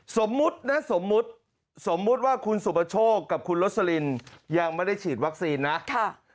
สมมุตินะสมมุติสมมุติว่าคุณสุประโชคกับคุณลสลินยังไม่ได้ฉีดวัคซีนนะค่ะ